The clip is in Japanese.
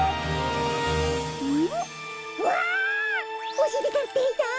おしりたんていさん！